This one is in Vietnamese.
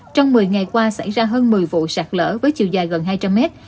trong một mươi ngày qua xảy ra hơn một mươi vụ sạt lở với chiều dài gần hai trăm linh mét